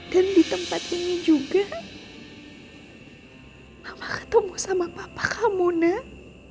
dan di tempat ini juga mama ketemu sama papa kamu nak